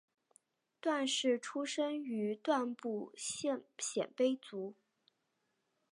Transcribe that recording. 段氏出身于段部鲜卑家族。